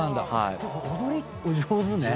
踊りお上手ね。